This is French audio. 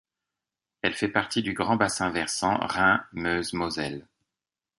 Elle fait partie du grand bassin versant Rhin-Meuse-Moselle.